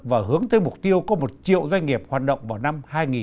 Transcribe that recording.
và hướng tới mục tiêu có một triệu doanh nghiệp hoạt động vào năm hai nghìn hai mươi